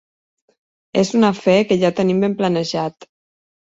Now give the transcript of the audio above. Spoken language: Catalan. És un afer que ja tenim ben planejat.